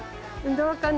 どうかな？